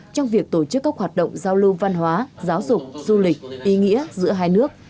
trong việc tổ chức các hoạt động giao lưu văn hóa giáo dục du lịch ý nghĩa giữa hai nước